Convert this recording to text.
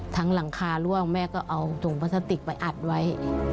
หลังคาร่วงแม่ก็เอาถุงพลาสติกไปอัดไว้